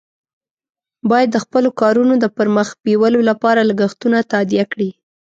باید د خپلو کارونو د پر مخ بیولو لپاره لګښتونه تادیه کړي.